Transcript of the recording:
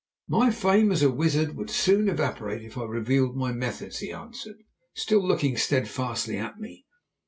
"My fame as a wizard would soon evaporate if I revealed my methods," he answered, still looking steadfastly at me.